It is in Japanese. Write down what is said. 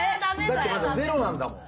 だってまだゼロなんだもん。